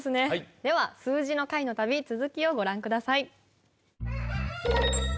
では数字の会の旅続きをご覧ください